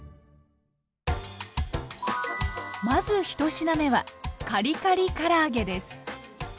まず１品目はカリカリから揚げです。